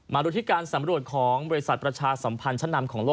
มาดูที่การสำรวจของบริษัทประชาสัมพันธ์ชั้นนำของโลก